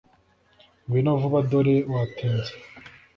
ngwino vuba dore watinze